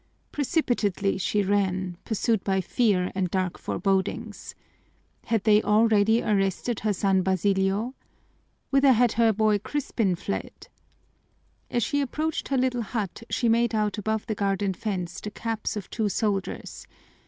Precipitately she ran, pursued by fear and dark forebodings. Had they already arrested her son Basilio? Whither had her boy Crispin fled? As she approached her little hut she made out above the garden fence the caps of two soldiers.